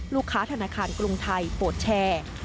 ธนาคารกรุงไทยโปรดแชร์